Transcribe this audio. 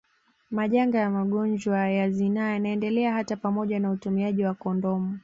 Majanga ya magonjwa ya zinaa yanaendelea hata pamoja na utumiaji wa kondomu